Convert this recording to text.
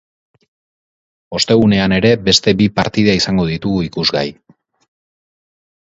Ostegunean ere, beste bi partida izango ditugu ikusgai.